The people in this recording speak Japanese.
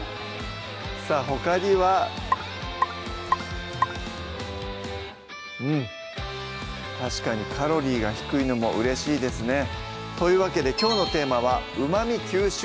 さぁほかにはうん確かにカロリーが低いのもうれしいですねというわけできょうのテーマは「旨み吸収！